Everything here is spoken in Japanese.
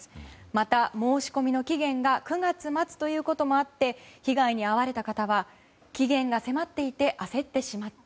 また申し込みの期限が９月末ということもあって被害に遭われた方は期限が迫っていて焦ってしまった。